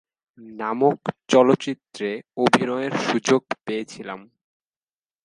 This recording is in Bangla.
নামক চলচ্চিত্রে অভিনয়ের সুযোগ পেয়েছিলেন।